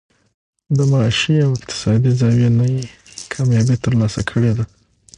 د معاشي او اقتصادي زاويې نه ئې کاميابي تر لاسه کړې ده